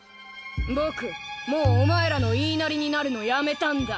ぼくもうお前らの言いなりになるのやめたんだ。